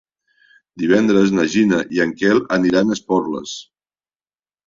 Divendres na Gina i en Quel aniran a Esporles.